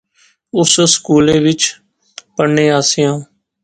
اس اس سکولا اچ پڑھنے آسے آں